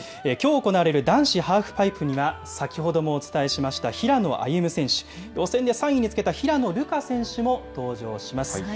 きょう行われる男子ハーフパイプには、先ほどもお伝えしました平野歩夢選手、予選で３位につけた平野流佳選手も登場します。